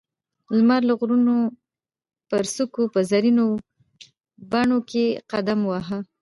لمر لا د غرونو پر څوکو په زرينو پڼو کې قدم واهه.